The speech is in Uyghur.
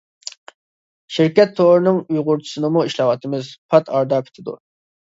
شىركەت تورىنىڭ ئۇيغۇرچىسىنىمۇ ئىشلەۋاتىمىز، پات ئارىدا پۈتىدۇ.